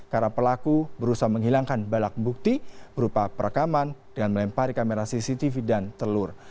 karena pelaku berusaha menghilangkan balak bukti berupa perekaman dengan melempar kamera cctv dan telur